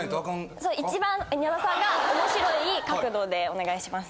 一番稲田さんが面白い角度でお願いします。